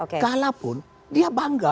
kalapun dia bangga